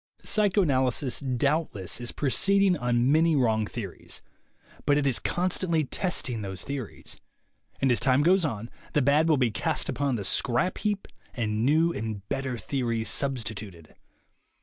Psychoanalysis, doubtless, is proceeding on many wrong theories; but it is constantly testing those theories, and as time goes on the bad will be cast upon the scrap heap and new and better theories substituted.